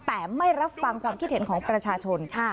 แต่ไม่รับฟังความคิดเห็นของประชาชน